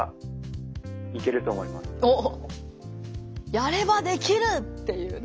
「やればできる！」っていうね。